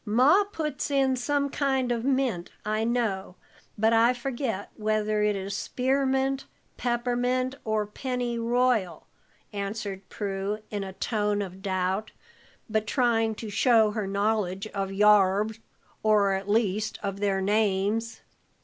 "Ma puts in some kind of mint, I know, but I forget whether it is spearmint, peppermint, or penny royal," answered Prue, in a tone of doubt, but trying to show her knowledge of "yarbs," or, at least, of their names.